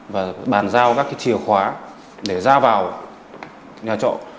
và bàn giao các chìa khóa để ra vào nhà trọ